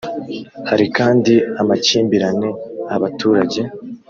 Hari kandi amakimbirane abaturage